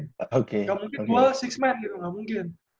gak mungkin gue enam men gitu gak mungkin